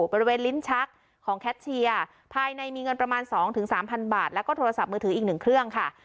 บริเวณลิ้นชักของแคทเชียร์ภายในมีเงินประมาณ๒๓๐๐บาทแล้วก็โทรศัพท์มือถืออีกหนึ่งเครื่องค่ะ